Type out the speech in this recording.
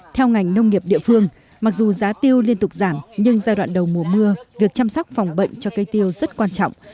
theo ngành nông nghiệp địa phương mặc dù giá tiêu liên tục giảm nhưng giai đoạn đầu mùa mưa việc chăm sóc phòng bệnh cho cây tiêu rất quan trọng